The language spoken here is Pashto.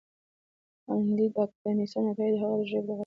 کانديد اکاډميسن عطايي هغه د ژبې د غنامندۍ لپاره تحقیقات کړي دي.